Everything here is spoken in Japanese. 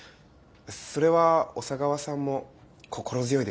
それは小佐川さんも心強いでしょうね。